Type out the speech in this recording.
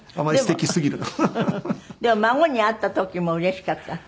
でも孫に会った時もうれしかった？